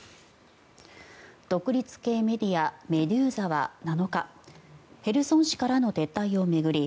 独立系メディアメドゥーザは７日ヘルソン市からの撤退を巡り